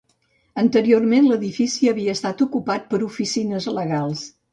Anteriorment, l'edifici havia estat ocupat per oficines legals.